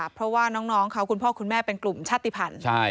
เพราะว่าน้องเขาคุณพ่อคุณแม่เป็นกลุ่มชาติภัณฑ์